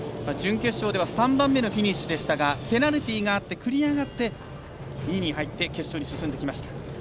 準決勝では３番目のフィニッシュでしたがペナルティーがあって繰り上がって２位に入って決勝に上がってきました。